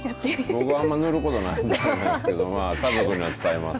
僕あんま塗ることないんですけど家族に伝えます。